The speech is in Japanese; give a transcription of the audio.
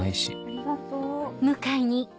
ありがとう。